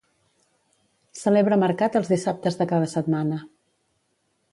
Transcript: Celebra mercat els dissabtes de cada setmana.